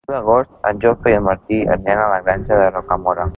El deu d'agost en Jofre i en Martí aniran a la Granja de Rocamora.